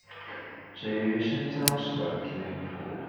只于深宵时段提供服务。